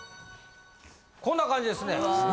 こんな感じですね。